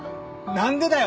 何でだよ！